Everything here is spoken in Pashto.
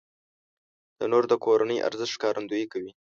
تنور د کورنی ارزښت ښکارندويي کوي